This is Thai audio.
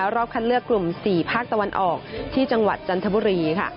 รอบคัดเลือกกลุ่ม๔ภาคตะวันออกที่จังหวัดจันทบุรีค่ะ